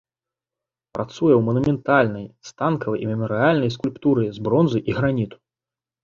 Працуе ў манументальнай, станковай і мемарыяльнай скульптуры з бронзы і граніту.